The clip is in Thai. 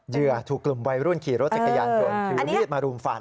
เยื่อถูกกลุ่มไว้รุ่นขี่รถจักรยานโดนถือมีดมารุมฟัน